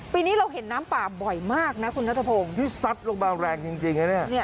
ปีนี้เราเห็นน้ำป่าบ่อยมากนะคุณนัทพงศ์นี่ซัดลงมาแรงจริงจริงนะเนี่ย